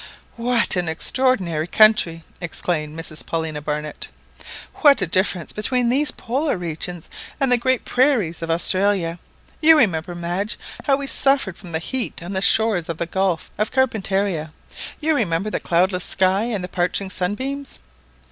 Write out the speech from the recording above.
"What an extraordinary country !" exclaimed Mrs Paulina Barnett. "What a difference between these Polar regions and the green prairies of Australia! You remember, Madge, how we suffered from the heat on the shores of the Gulf of Carpentaria—you remember the cloudless sky and the parching sunbeams?"